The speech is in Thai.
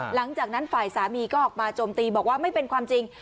หลังจากนั้นฝ่ายสามีก็ออกมาโจมตีบอกว่าไม่เป็นความจริง